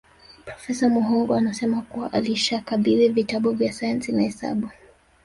Profesa Muhongo anasema kuwa alishakabidhi vitabu vya Sayansi na Hesabu